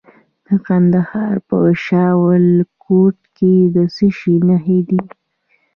د کندهار په شاه ولیکوټ کې د څه شي نښې دي؟